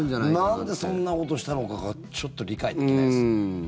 なんでそんなことしたのかが理解できない。